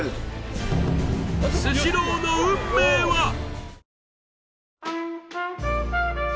スシローの運命は！？